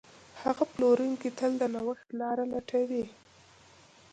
ښه پلورونکی تل د نوښت لاره لټوي.